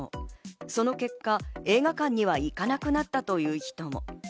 その結果、映画館には行かなくなったという人も。